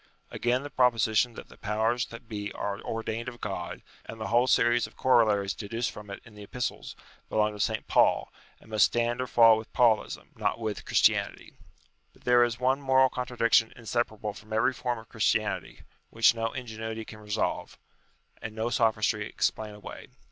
Again, the proposition that " the powers that be are ordained of God" and the whole series of corollaries deduced from it in the Epistles, belong to St. Paul, and must stand or fall with Paulism, not with UTILITY OF RELIGION 115 Chris inanity. But there is one moral contradiction inseparable from every form of Christianity, which no ingenuity can resolve, and no sophistry explain away.